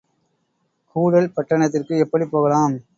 கூடல் பட்டணத்திற்கு எப்படிப் போகலாம்?